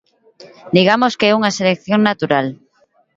Digamos que é unha selección natural.